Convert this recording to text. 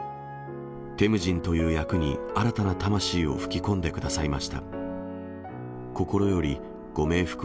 テムジンという役に新たな魂を吹き込んでくださいました。